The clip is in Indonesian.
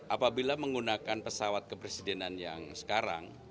apabila menggunakan pesawat kepresidenan yang sekarang